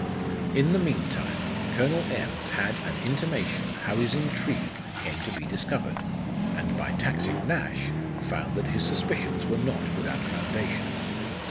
In the mean time Colonel M. had an intimation how his intrigue came to be discovered, and by taxing Nash, found that his suspicions were not without foundation.